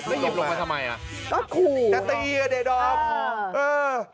ก็หยิบลงมาทำไมอ่ะก็ขู่จะตีกับเด็ดออบ